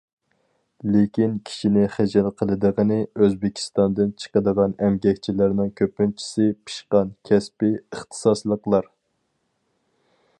لېكىن كىشىنى خىجىل قىلىدىغىنى، ئۆزبېكىستاندىن چىقىدىغان ئەمگەكچىلەرنىڭ كۆپىنچىسى پىشقان كەسپىي ئىختىساسلىقلار.